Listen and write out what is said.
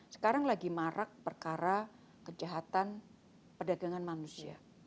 sekarang lagi marak perkara kejahatan perdagangan manusia